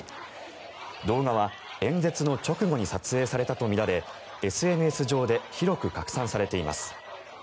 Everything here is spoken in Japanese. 動画は演説の直後に撮影されたとみられＳＮＳ上で広く拡散されています。